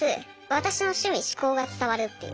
私の趣味嗜好が伝わるっていう。